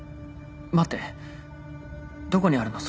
待ってどこにあるの？